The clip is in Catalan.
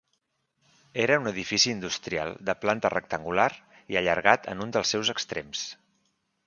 Era un edifici industrial de planta rectangular i allargat en un dels seus extrems.